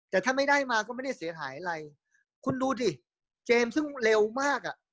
แต่ถ้าไม่ได้มาก็ไม่ได้เสียหายอะไรคุณดูดิเจมส์ซึ่งเร็วมากอ่ะ